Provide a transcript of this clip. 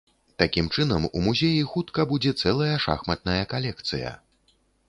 Такім чынам у музеі хутка будзе цэлая шахматная калекцыя.